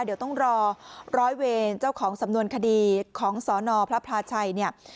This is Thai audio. เดี๋ยวต้องรอร้อยเวรเจ้าของสำนวนคดีของสนพระพลาชัยเนี่ย